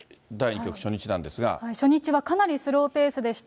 初日はかなりスローペースでした。